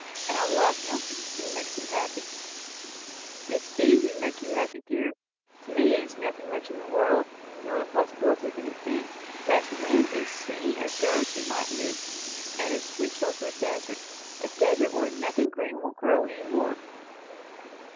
And I love him; and he makes me happy." "It is easy to make you happy, dear. To me there is nothing left in the world, nor the possibility of anything. That wind is singing a dirge in my ears; and it sweeps over a desert. A desert where nothing green will grow any more!"